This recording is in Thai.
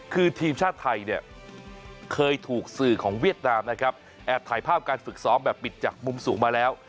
คือทีมชาติไทยเนี่ยเคยถูกสื่อของเวียดนามนะครับแอบถ่ายภาพการฝึกซ้อมแบบปิดจากมุมสูงมาแล้ว